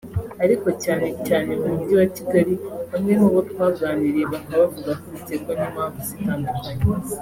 ariko cyane cyane mu mujyi wa Kigali; bamwe mu bo twaganiriye bakaba bavuga ko biterwa n’impamvu zitandukanye